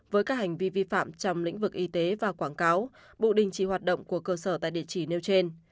với các hành vi vi phạm trong lĩnh vực y tế và quảng cáo bộ đình chỉ hoạt động của cơ sở tại địa chỉ nêu trên